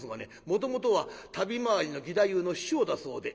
もともとは旅回りの義太夫の師匠だそうで」。